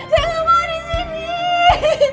saya gak mau disini